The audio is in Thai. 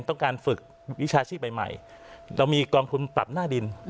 ต้องการฝึกวิชาชีพใหม่เรามีกองทุนปรับหน้าดิน